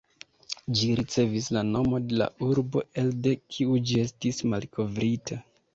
Ĝi ricevis la nomo de la urbo elde kiu ĝi estis malkovrita.